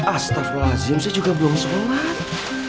astagfirullahaladzim saya juga belum sholat